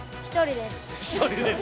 １人です。